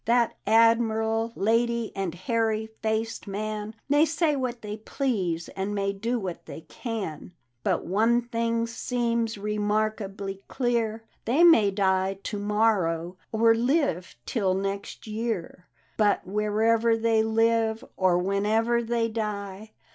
" That Admiral, Lady, and Hairy faced man May say what they please, and may do what they can ; But one things seems remarkably clear, — They may die to morrow, or live till next year, — But wherever they live, or whenever they die.